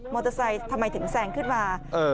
เตอร์ไซค์ทำไมถึงแซงขึ้นมา